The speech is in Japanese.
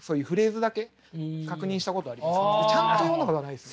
ちゃんと読んだことはないです。